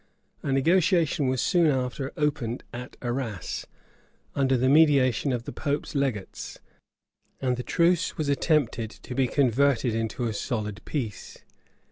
[*] A negotiation was soon after opened at Arras, under the mediation of the pope's legates; and the truce was attempted to be converted into a solid peace.